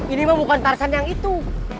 ini mah bukan tarsan yang itu